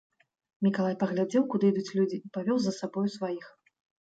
Мікалай паглядзеў, куды ідуць людзі, і павёў за сабою сваіх.